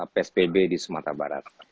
psbb di semata barat